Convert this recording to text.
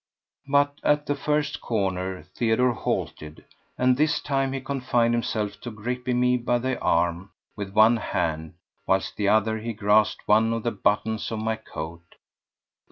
But at the first corner Theodore halted, and this time he confined himself to gripping me by the arm with one hand whilst with the other he grasped one of the buttons of my coat.